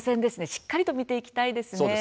しっかりと見ていきたいですね。